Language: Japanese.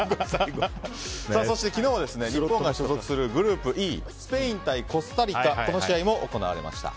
そして昨日は日本が所属するグループＥスペイン対コスタリカの試合も行われました。